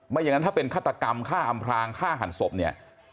อย่างนั้นถ้าเป็นฆาตกรรมฆ่าอำพลางฆ่าหันศพเนี่ย